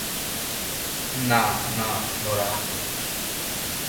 না, না, নোরাহ!